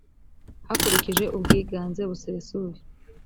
hakurikijwe ubwiganze busesuye.